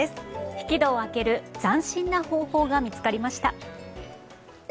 引き戸を開ける斬新な方法が見つかりました。